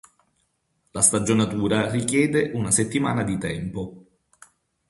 La stagionatura richiede una settimana di tempo.